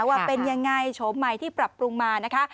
ว่าเป็นยังไงโฉมใหม่ที่ปรับปรุงมานะคะ